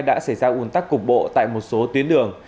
đã xảy ra ủn tắc cục bộ tại một số tuyến đường